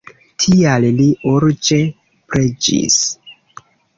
Tial li urĝe preĝis.